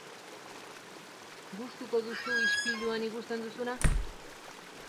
Gustuko duzu ispiluan ikusten duzuna?